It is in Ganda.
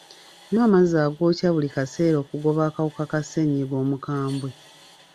Nywa amazzi agookya buli kaseera okugoba akawuka ka ssenyiga omukambwe.